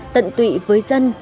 tận tụy với dân